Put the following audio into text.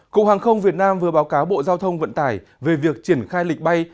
cục hàng không việt nam vừa báo cáo bộ giao thông vận tải về việc triển khai lịch bay